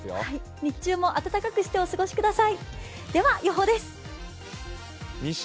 日中も暖かくしてお過ごしください。